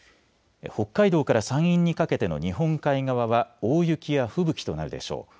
北海道から山陰にかけての日本海側は大雪や吹雪となるでしょう。